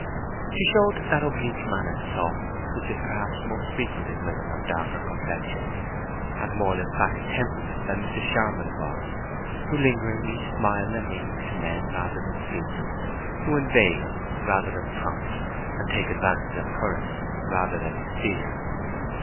She showed that oblique mannered softness which is perhaps most frequent in women of darker complexion and more lymphatic temperament than Mrs. Charmond's was; who lingeringly smile their meanings to men rather than speak them, who inveigle rather than prompt, and take advantage of currents rather than steer.